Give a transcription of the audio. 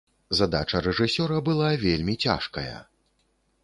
Задача рэжысёра была вельмі цяжкая.